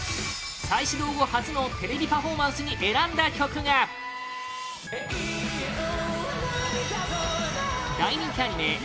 再始動後初のテレビパフォーマンスに選んだ曲が大人気アニメ